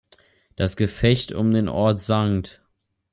Das Gefecht um den Ort St.